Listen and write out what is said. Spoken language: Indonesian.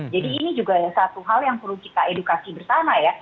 jadi ini juga satu hal yang perlu kita edukasi bersama ya